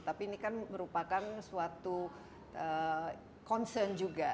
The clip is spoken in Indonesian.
tapi ini kan merupakan suatu concern juga